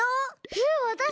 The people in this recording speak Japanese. えっわたし？